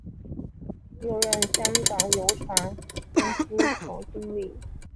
又任香港邮船公司总经理。